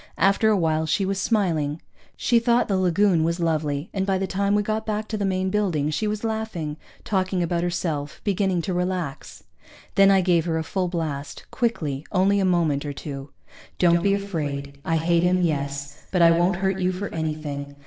After a while she was smiling. She thought the lagoon was lovely, and by the time we got back to the main building she was laughing, talking about herself, beginning to relax. Then I gave her a full blast, quickly, only a moment or two. _Don't be afraid I hate him, yes, but I won't hurt you for anything.